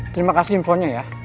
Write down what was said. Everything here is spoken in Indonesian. terima kasih infonya ya